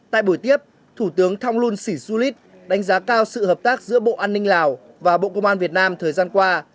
tại buổi tiếp thủ tướng thong luôn sinh su lít đánh giá cao sự hợp tác giữa bộ an ninh lào và bộ công an việt nam thời gian qua